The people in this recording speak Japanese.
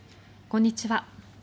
こんにちは。